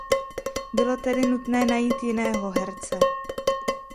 Bylo tedy nutné najít jiného herce.